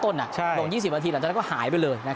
ต้นต้นอ่ะใช่ลงยี่สิบนาทีหลังจากนั้นก็หายไปเลยนะครับ